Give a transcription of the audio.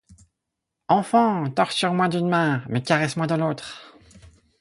Enfant ! torture-moi d’une main, mais caresse-moi de l’autre !